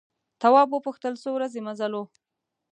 تواب وپوښتل څو ورځې مزل و.